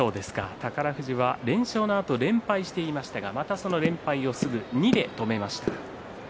宝富士は連勝のあと連敗していましたがその連敗を見事止めました。